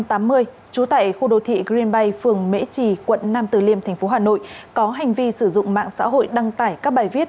trú tại khu đô thị green bay phường mễ trì quận nam từ liêm tp hcm có hành vi sử dụng mạng xã hội đăng tải các bài viết